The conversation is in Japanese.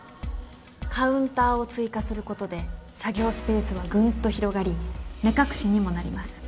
カウンターを追加することで作業スペースはぐんと広がり目隠しにもなります。